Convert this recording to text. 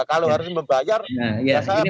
kalau harus membayar ya sama